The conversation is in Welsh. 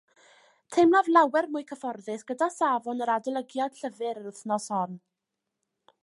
Teimlaf lawer mwy cyfforddus gyda safon yr adolygiad llyfr yr wythnos hon